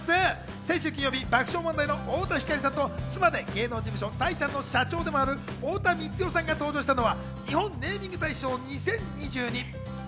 先週金曜日、爆笑問題の太田光さんと妻で芸能事務所・タイタンの社長でもある太田光代さんが登場したのは日本ネーミング大賞２０２２。